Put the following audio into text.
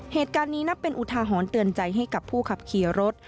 เหตุการณ์นี้นับเป็นอุทาหรณ์เตือนใจให้กับผู้ขับขี่รถ